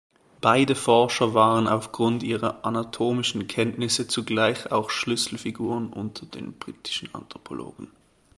Beide Forscher waren aufgrund ihrer anatomischen Kenntnisse zugleich auch Schlüsselfiguren unter den britischen Anthropologen.